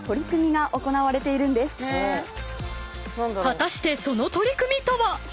［果たしてその取り組みとは？］